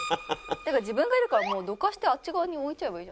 自分がいるからどかしてあっち側に置いちゃえばいい。